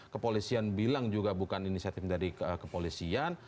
kepolisian bilang juga bukan inisiatif dari kepolisian